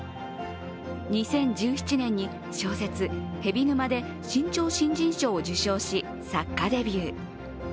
２０１７年に小説「蛇沼」で新潮新人賞を受賞し作家デビュー。